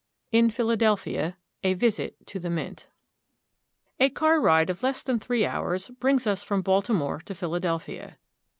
IN PHILADELPHIA — A VISIT TO THE MINT. AGAR ride of less than three hours brings us from Baltimore to Philadelphia.